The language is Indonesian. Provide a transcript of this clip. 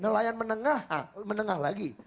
nelayan menengah menengah lagi